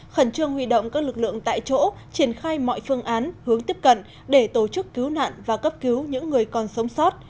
khẩn trương huy động các lực lượng tại chỗ triển khai mọi phương án hướng tiếp cận để tổ chức cứu nạn và cấp cứu những người còn sống sót